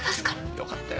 よかったよ